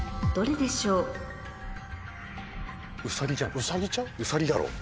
ウサギだろ。